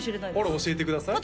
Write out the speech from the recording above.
あら教えてください